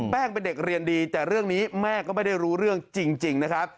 เป็นเด็กเรียนดีแต่เรื่องนี้แม่ก็ไม่ได้รู้เรื่องจริงนะครับ